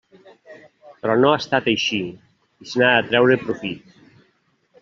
Però no ha estat així i se n'ha de treure profit.